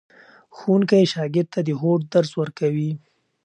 ښوونکی شاګرد ته د هوډ درس ورکوي.